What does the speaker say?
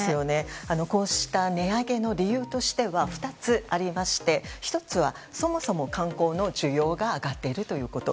こうした値上げの理由としては２つありまして１つは、そもそも観光の需要が上がっていること。